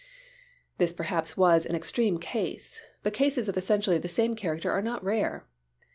This perhaps was an extreme case, but cases of essentially the same character are not rare.